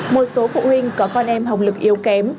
một số phụ huynh có con em hồng lực yếu kém